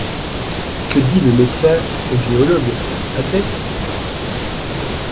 Que dit le médecin au géologue, athlète